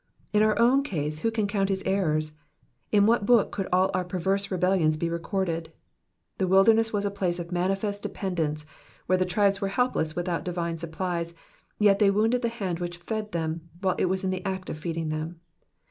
In our own case, vho can coimt his errors? In what book could all our perverse rebellions be recorded ? The wilderness was a place of manifest dependence, where the tribes were helpless without divine supplies, yet they wounded the hand which fed them while it was in the act of feeding them.